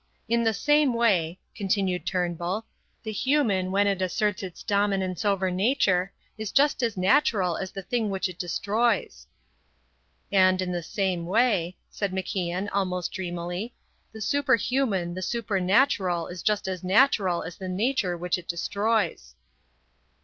In the same way," continued Turnbull, "the human when it asserts its dominance over nature is just as natural as the thing which it destroys." "And in the same way," said MacIan almost dreamily, "the superhuman, the supernatural is just as natural as the nature which it destroys."